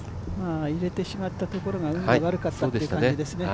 入れてしまったところが運が悪かったっていう感じですね。